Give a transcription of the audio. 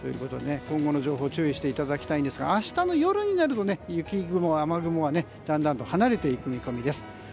今後の情報に注意していただきたいんですが明日の夜になると雪雲、雨雲はだんだんと離れていく見込みです。